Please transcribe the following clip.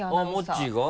もっちーが？